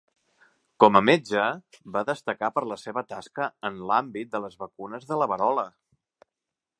Com a metge, va destacar per la seva tasca en l'àmbit de les vacunes de la verola.